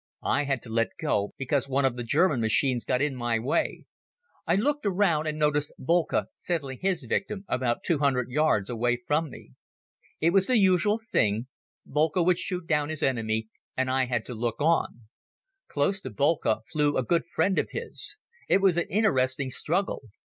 I had to let go because one of the German machines got in my way. I looked around and noticed Boelcke settling his victim about two hundred yards away from me. It was the usual thing. Boelcke would shoot down his opponent and I had to look on. Close to Boelcke flew a good friend of his. It was an interesting struggle.